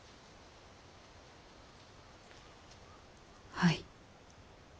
はい。